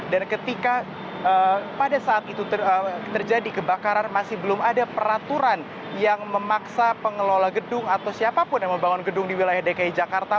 dan pada saat itu terjadi kebakaran masih belum ada peraturan yang memaksa pengelola gedung atau siapapun yang membangun gedung di wilayah dki jakarta